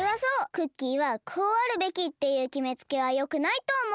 クッキーはこうあるべきっていうきめつけはよくないとおもう！